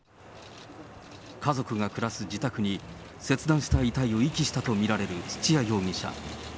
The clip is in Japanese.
家族が暮らす自宅に、切断した遺体を遺棄したと見られる土屋容疑者。